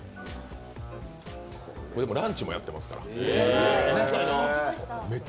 ランチもやっていますから、ねっ。